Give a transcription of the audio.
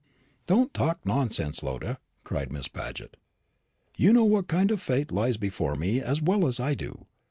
"Don't talk nonsense, Lotta," cried Miss Paget. "You know what kind of fate lies before me as well as I do.